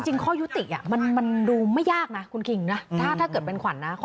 ข้อยุติมันดูไม่ยากนะคุณคิงนะถ้าเกิดเป็นขวัญนะ